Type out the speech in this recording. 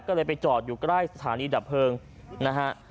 ก็เลยไปจอดอยู่ใกล้สถานีดับเพลิงนะฮะ